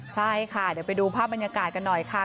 ใช่ค่ะเดี๋ยวไปดูภาพบรรยากาศกันหน่อยค่ะ